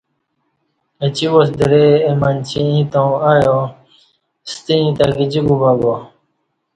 اچی واس درئ اہ منچی ایں تاوں ایا ستہ ایں تہ گجی کوبہ با۔